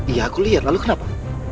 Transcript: iya aku lihat lalu kenapa